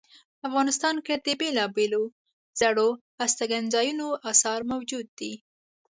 افغانستان کې د بیلابیلو زړو استوګنځایونو آثار موجود دي